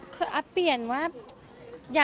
คืออัพเปลี่ยนว่า